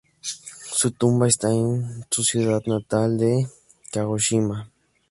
Su tumba está en su ciudad natal de Kagoshima.